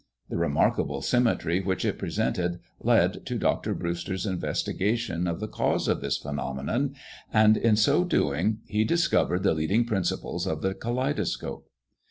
The remarkable symmetry which it presented led to Dr. Brewster's investigation of the cause of this phenomenon; and in so doing, he discovered the leading principles of the kaleidoscope.